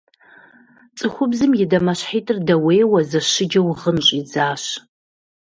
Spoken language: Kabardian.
Цӏыхубзым и дамэщхьитӀыр дэуейуэ, зэщыджэу гъын щӀидзащ.